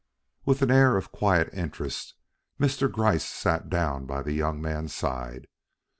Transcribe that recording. With an air of quiet interest Mr. Gryce sat down by the young man's side.